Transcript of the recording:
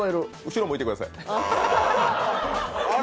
後ろ向いてください。